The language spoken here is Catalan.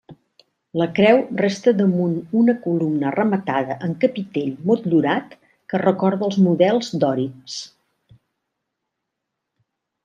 La creu resta damunt una columna rematada amb capitell motllurat que recorda els models dòrics.